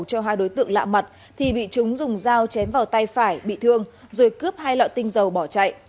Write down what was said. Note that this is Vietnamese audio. cho hai đối tượng lạ mặt thì bị chúng dùng dao chém vào tay phải bị thương rồi cướp hai lọ tinh dầu bỏ chạy